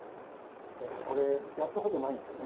だってこれやったことないんですよね。